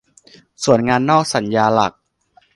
ส่วนงานนอกสัญญาหลัก